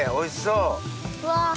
うわ。